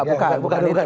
bukan bukan bukan